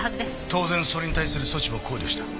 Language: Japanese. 当然それに対する措置も考慮した。